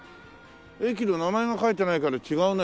駅の名前が書いてないから違うね。